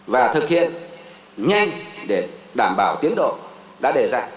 và thực hiện nhanh để đảm bảo tiến độ đã đề ra